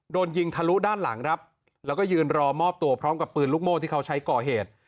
โดนยิงทะลุด้านหลังครับแล้วก็ยืนรอมอบตัวพร้อมกับปืนลูกโม่ที่เขาใช้ก่อเหตุ